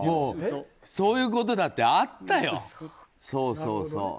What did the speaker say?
そういうことだってあったよ。